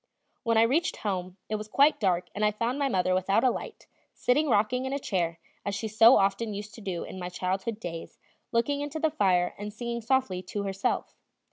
When I reached home, it was quite dark and I found my mother without a light, sitting rocking in a chair, as she so often used to do in my childhood days, looking into the fire and singing softly to herself.